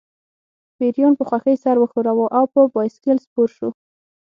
پیریان په خوښۍ سر وښوراوه او په بایسکل سپور شو